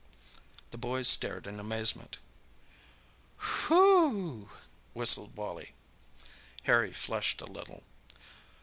The boys stared in amazement. "Whew w w!" whistled Wally. Harry flushed a little.